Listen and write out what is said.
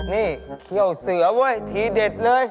นี่เขี้ยวเสือเว้ยทีเด็ดเลย